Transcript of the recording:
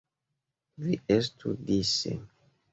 Vi estu dise.